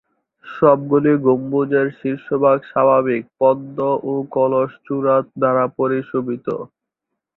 সবগুলি গম্বুজের শীর্ষভাগ স্বাভাবিক পদ্ম ও কলস চূড়া দ্বারা পরিশোভিত।